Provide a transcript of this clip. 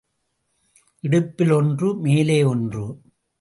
இடுப்பில் ஒன்று, மேலே ஒன்று.